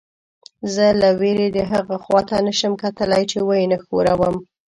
زه له وېرې دهغه خوا ته نه شم کتلی چې ویې نه ښوروم.